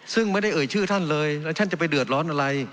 ซึ่งไม่ได้เอ่ยชื่อท่านเลยแล้วท่านจะไปเดือดร้อนอะไร